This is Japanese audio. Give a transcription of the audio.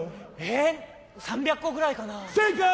え３００個ぐらいかな正解！